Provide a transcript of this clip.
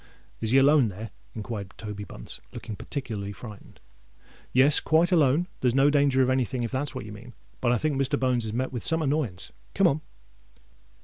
"Is he alone there?" inquired Toby Bunce, looking particularly frightened. "Yes—quite alone. There's no danger of any thing, if that's what you mean: but I think Mr. Bones has met with some annoyance. Come on!"